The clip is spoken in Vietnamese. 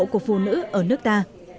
của phụ nữ ở nước ta